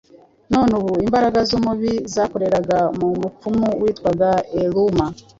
none ubu imbaraga z’umubi zakoreraga mu mupfumu witwaga Eluma,